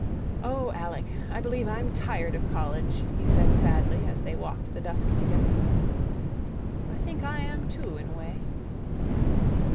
"Oh, Alec, I believe I'm tired of college," he said sadly, as they walked the dusk together. "I think I am, too, in a way."